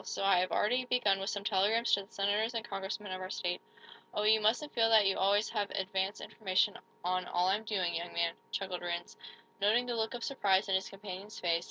So I have already begun with some telegrams to the Senators and Congressmen of our state Oh, you mustn't feel that you always have advance information on all I'm doing, young man," chuckled Rhinds, noting the look of surprise in his companion's face.